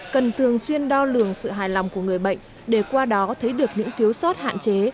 cần thường xuyên đo lường sự hài lòng của người bệnh để qua đó thấy được những thiếu sót hạn chế